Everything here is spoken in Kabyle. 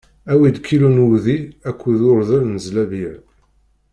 Awi-d kilu n wudi akked urḍel n zlabiyya.